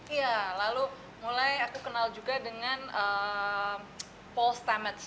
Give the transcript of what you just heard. iya lalu mulai aku kenal juga dengan paul stamatch